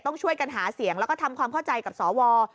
ต้องช่วยกันหาเสียงแล้วก็ทำความเข้าใจกับสว